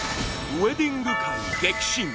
ウェディング界、激震！